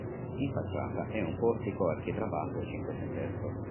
In facciata è un portico architravato cinquecentesco.